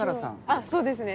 あっそうですね。